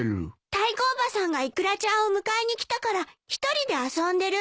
タイコおばさんがイクラちゃんを迎えに来たから１人で遊んでる。